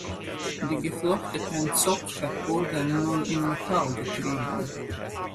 Die geflochtenen Zöpfe wurden nun in Metall getrieben.